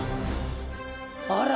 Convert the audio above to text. あら！